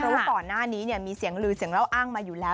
เพราะว่าก่อนหน้านี้มีเสียงลือเสียงเล่าอ้างมาอยู่แล้ว